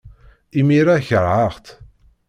Imir-a, keṛheɣ-tt.